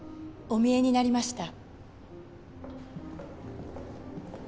お見えになりました